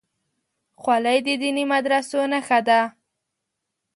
خولۍ د دیني مدرسو نښه ده.